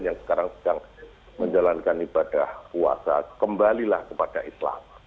yang sekarang sedang menjalankan ibadah puasa kembalilah kepada islam